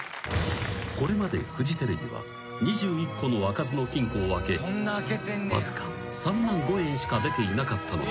［これまでフジテレビは２１個の開かずの金庫を開けわずか３万５円しか出ていなかったのだ］